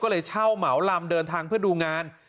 ก็เลยเช่าเหมาลำเดินทางเพื่อดูงาน